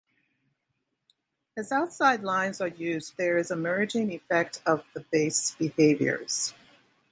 As outside lines are used there is a merging effect of the base behaviors.